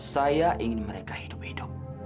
saya ingin mereka hidup hidup